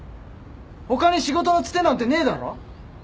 他に仕事のつてなんてねえだろ？